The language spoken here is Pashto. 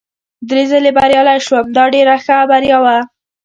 درې ځلي بریالی شوم، دا ډېره ښه بریا وه.